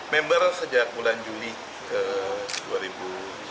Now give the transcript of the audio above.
member sejak bulan juli ke dua ribu sembilan belas